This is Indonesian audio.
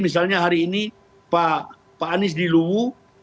misalnya hari ini pak anies di luwu